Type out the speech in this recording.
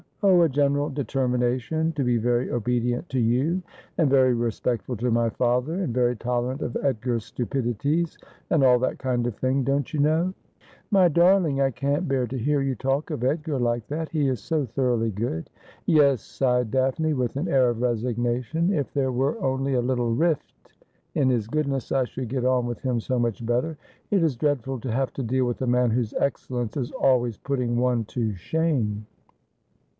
' Oh, a general determination to be very obedient to you, and very respectful to my father, and very tolerant of Edgar's stupidities, and all that kind of thing, don't you know ?'' My darling, I can't bear to hear you talk of Edgar like that. He is so thoroughly good.' ' Yes,' sighed Daphne, with an air of resignation. ' If there were only a little rift in his goodness, I should get on with him so much better. It is dreadful to have to deal with a man whose excellence is always putting one to shame.'